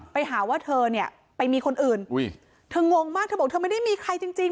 ไปหาว่าเธอเนี่ยไปมีคนอื่นอุ้ยเธองงมากเธอบอกเธอไม่ได้มีใครจริงจริง